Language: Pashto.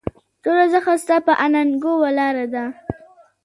توره زخه ستا پهٔ اننګو ولاړه ده